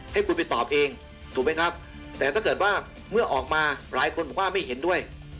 ให้คุณไปตอบเองถูกไหมครับแต่ถ้าเกิดว่าเมื่อออกมาหลายคนบอกว่าไม่เห็นด้วย